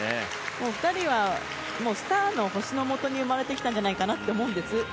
２人はスターの星のもとに生まれてきたんじゃないかなって思うんです。